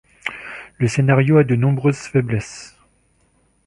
Le scénario a de nombreuses faiblesses.